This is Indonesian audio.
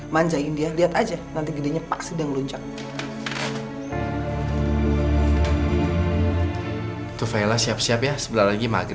katanya orang tuanya udah meninggal